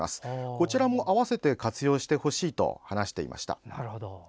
こちらも併せて活用してほしいと話していました。